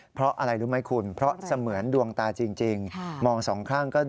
เพราะอะไรรู้ไหมคุณเพราะเสมือนดวงตาจริง